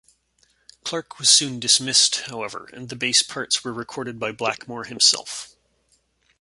Clarke was soon dismissed, however, and the bass parts were recorded by Blackmore himself.